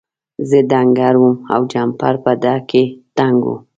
زه ډنګر وم او جمپر په ده کې تنګ و.